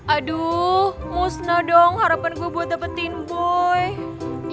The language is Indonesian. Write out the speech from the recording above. aduh musnah dong harapan gue buat dapetin boy